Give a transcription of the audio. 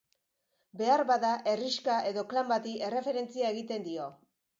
Beharbada, herrixka edo klan bati erreferentzia egiten dio.